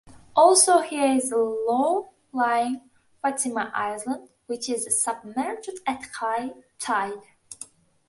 Also here is the low-lying Fatima Island, which is submerged at high tide.